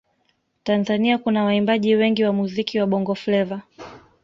Tanzania kuna waimbaji wengi wa muziki wa bongo fleva